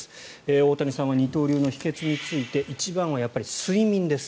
大谷さんは二刀流の秘けつについて一番は睡眠です。